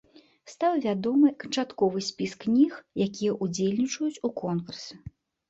Стаў вядомы канчатковы спіс кніг, якія ўдзельнічаюць у конкурсе.